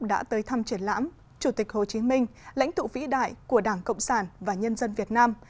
đã tới thăm triển lãm chủ tịch hồ chí minh lãnh tụ vĩ đại của đảng cộng sản và nhân dân việt nam